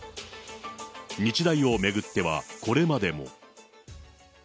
日大を巡っては、これまでも。